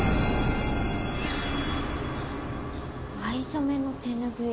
藍染めの手拭い。